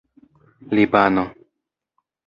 libano